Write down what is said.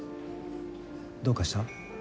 どうかした？